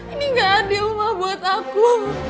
ini gak adil mah buat aku